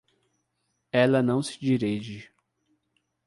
Ela não se dirige.